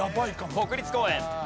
国立公園。